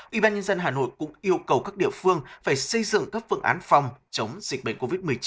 ủy ban nhân dân hà nội cũng yêu cầu các địa phương phải xây dựng các phương án phòng chống dịch bệnh covid một mươi chín